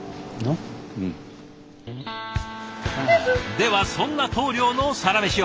ではそんな棟梁のサラメシを。